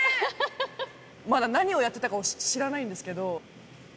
まだ何をやってたかを知らないんですけど。